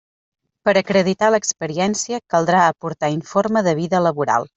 Per acreditar l'experiència caldrà aportar informe de vida laboral.